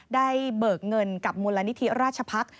เบิกเงินกับมูลนิธิราชพักษ์